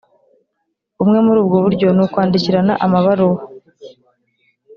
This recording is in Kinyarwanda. bumwe muri ubwo buryo ni ukwandikirana amabaruwa